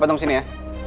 patung sini ya